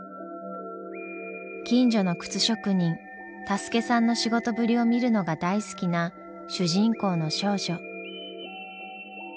近所の靴職人タスケさんの仕事ぶりを見るのが大好きな主人公の少女。